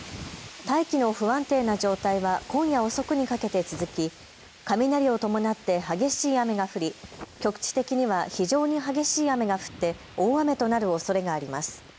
大気の不安定な状態は今夜遅くにかけて続き雷を伴って激しい雨が降り局地的には非常に激しい雨が降って大雨となるおそれがあります。